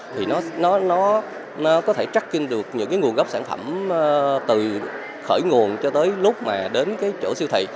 thì nó có thể tracking được những nguồn gốc sản phẩm từ khởi nguồn cho tới lúc đến chỗ siêu thị